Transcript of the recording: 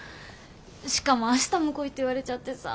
しかも明日も来いって言われちゃってさ。